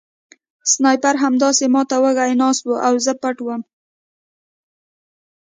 سنایپر همداسې ما ته وږی ناست و او زه پټ وم